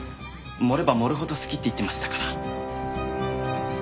盛れば盛るほど好きって言ってましたから。